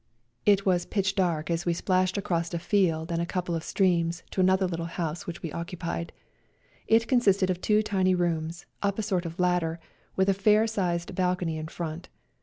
It was pitch dark as we splashed across a field A COLD NIGHT RIDE 79 and a couple of streams to another little house which we occupied. It consisted of two tiny rooms, up a sort of ladder, with a fair sized balcony in front.